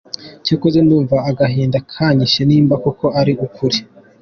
cyakoze ndumva agahinda kanyishe nimba koko ari ukuri!